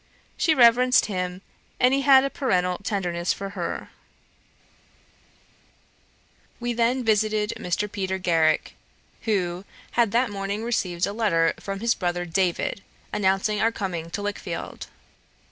She reverenced him, and he had a parental tenderness for her. We then visited Mr. Peter Garrick, who had that morning received a letter from his brother David, announcing our coming to Lichfield.